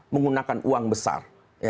menggunakan uang besar